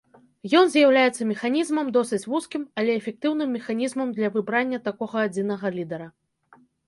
Ён з'яўляецца механізмам, досыць вузкім, але эфектыўным механізмам для выбрання такога адзінага лідара.